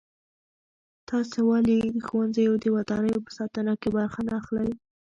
تاسې ولې د ښوونځیو د ودانیو په ساتنه کې برخه نه اخلئ؟